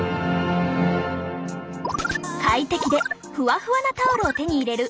快適でふわふわなタオルを手に入れる３つの技。